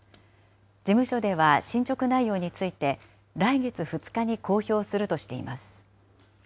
事務所では進捗内容について、来月２日に公表するとしています。